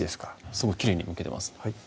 すごいきれいにむけてます